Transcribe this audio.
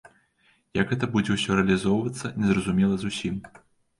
Як гэта будзе ўсё рэалізоўвацца, незразумела зусім.